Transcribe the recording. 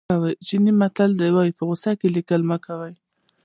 چینایي متل وایي په غوسه کې لیکل مه کوئ.